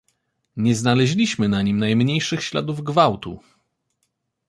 "Nie znaleźliśmy na nim najmniejszych śladów gwałtu."